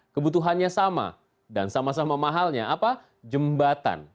kebutuhannya sama dan sama sama mahalnya apa jembatan